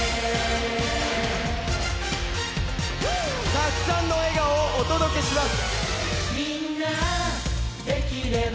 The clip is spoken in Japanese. たくさんの笑顔をお届けします。